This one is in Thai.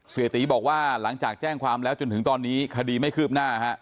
เสียตีบอกว่าหลังจากแจ้งความแล้วจนถึงตอนนี้คดีไม่คืบหน้าฮะ